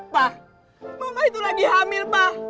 pak mama itu lagi hamil pak